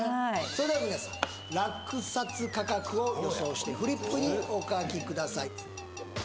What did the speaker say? それでは皆さん落札価格を予想してフリップにお書きください